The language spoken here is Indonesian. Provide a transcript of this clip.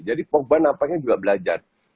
jadi pogba lapangnya juga belajar